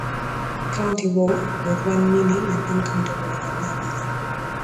countable with one meaning and uncountable with another?